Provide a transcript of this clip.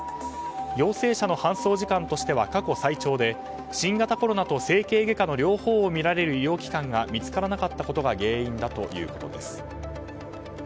陽性者の搬送時間としては過去最長で新型コロナと整形外科の両方を診られる医療機関が見つからなかったことが原因だということです。